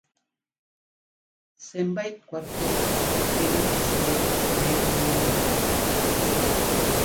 Zenbait kuartel eraiki ziren Lehen Mundu Gerran.